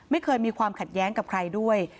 ไม่เคยมีความขัดแย้งกับใครด้วย